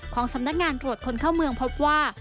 สำนักงานตรวจคนเข้าเมืองพบว่า